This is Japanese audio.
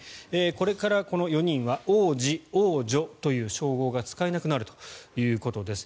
これからこの４人は王子、王女という称号が使えなくなるということです。